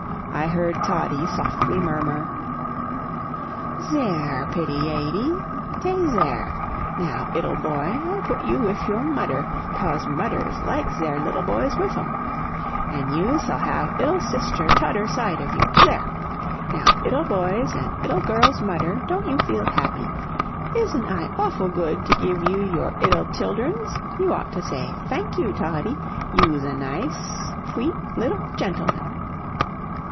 I heard Toddie softly murmur: "Zere, pitty yady, 'tay ZERE. Now, 'ittle boy, I put you wif your mudder, tause mudders likes zere 'ittle boys wif zem. An' you sall have 'ittle sister tudder side of you, zere. Now, 'ittle boy's an' 'ittle girl's mudder, don't you feel happy? isn't I awfoo good to give you your 'ittle tsilderns? You ought to say, 'Fank you, Toddie, you'se a nice, fweet 'ittle djentleman.'"